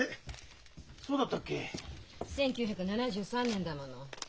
１９７３年だもの。